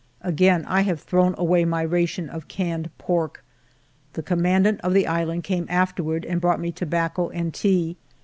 Again 1 have thrown away my ration of canned pork. The commandant of the island came afterward and brought me tobacco and tea.